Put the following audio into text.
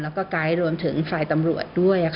แล้วก็ไกด์รวมถึงฝ่ายตำรวจด้วย